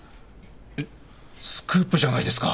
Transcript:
えっスクープじゃないですか。